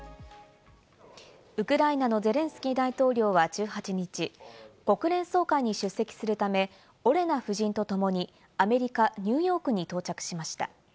ウクライナのゼレンスキー大統領は１８日、国連総会に出席するため、オレナ夫人とともにアメリカ・ニューヨークに到着しました。